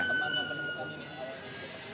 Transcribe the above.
teman teman yang pertama ini